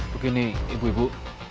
bukin nih ibu ibu